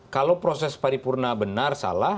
kalau proses paripurna benar salah